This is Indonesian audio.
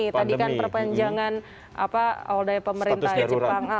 tadi kan perpanjangan awal dari pemerintah jepang